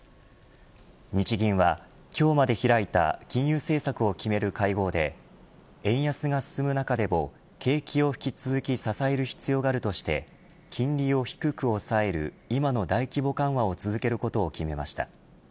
日銀は今日まで開いた金融政策を決める会合で円安が進む中でも景気を引き続き支える必要があるとして金利を低く抑える今の大規模緩和を続けることを決めました。